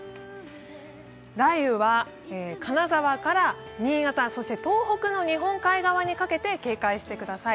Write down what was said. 雷雨は金沢から新潟、そして東北の日本海側にかけて警戒してください。